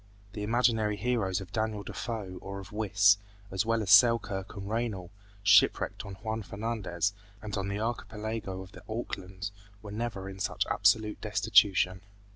The imaginary heroes of Daniel Defoe or of Wyss, as well as Selkirk and Raynal shipwrecked on Juan Fernandez and on the archipelago of the Aucklands, were never in such absolute destitution.